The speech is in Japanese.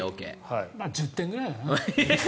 １０点ぐらいだな。